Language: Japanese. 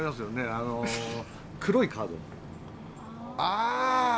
ああ黒いカードね。